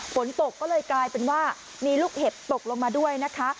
ฝนตกก็เลยกลายเป็นว่ามีลูกเห็บตกลงมาด้วยนะคะ